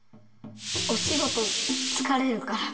おしごとつかれるから。